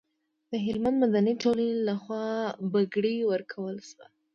د هلمند مدني ټولنې لخوا بګړۍ ورکول شوه.